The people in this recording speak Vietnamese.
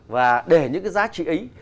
và để những cái giá trị ấy